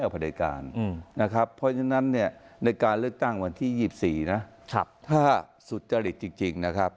เพราะฉะนั้นเนี่ยในการเลือกตั้งวันที่๒๔นะถ้าสุจริตจริงนะครับ